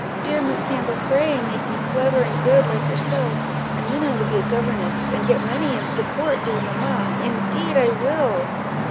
Dear Miss Campbell, pray make me clever and good like yourself, and then I will be a governess, and get money, and support dear mamma indeed I will."